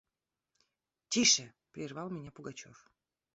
– Тише! – прервал меня Пугачев.